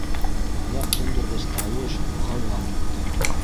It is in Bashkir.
Ҡолаҡ тондорғос тауыш, ғауға китте.